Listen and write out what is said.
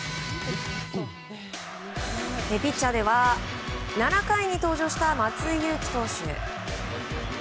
ピッチャーでは７回に登場した松井裕樹投手。